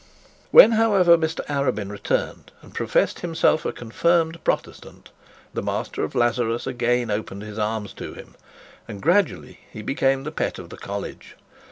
When, however, Mr Arabin returned and professed himself a confirmed Protestant, the master of Lazarus again opened his arms to him, and gradually he became the pet of the college.